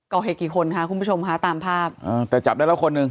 ก่อเหตุกี่คนคะคุณผู้ชมค่ะตามภาพอ่าแต่จับได้แล้วคนหนึ่ง